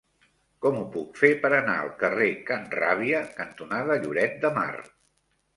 Com ho puc fer per anar al carrer Can Ràbia cantonada Lloret de Mar?